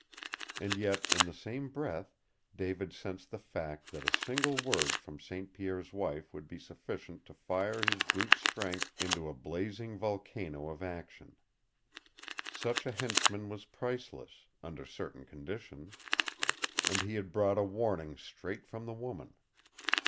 And yet in the same breath David sensed the fact that a single word from St. Pierre's wife would be sufficient to fire his brute strength into a blazing volcano of action. Such a henchman was priceless under certain conditions! And he had brought a warning straight from the woman.